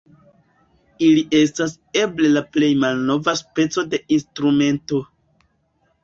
Ili estas eble la plej malnova speco de instrumento.